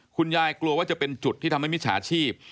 กลัวว่าจะเป็นจุดที่ทำให้มิจฉาชีพ